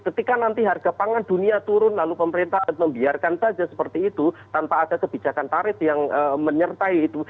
ketika nanti harga pangan dunia turun lalu pemerintah membiarkan saja seperti itu tanpa ada kebijakan tarif yang menyertai itu